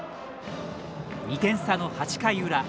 ２点差の８回裏。